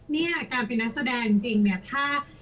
นี่การเป็นนักแสดงจริงถ้า